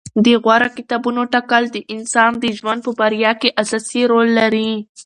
د غوره کتابونو ټاکل د انسان د ژوند په بریا کې اساسي رول لري.